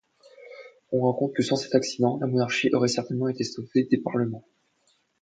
On raconte que sans cet accident, la monarchie aurait certainement été sauvée des Parlements.